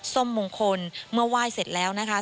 ส้มมงคลเมื่อไหว้เสร็จแล้วนะคะ